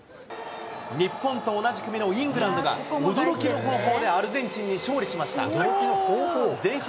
日本と同じ組のイングランドが、驚きの方法でアルゼンチンに勝利しました。